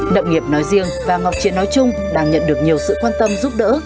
nậm nghiệp nói riêng và ngọc chiến nói chung đang nhận được nhiều sự quan tâm giúp đỡ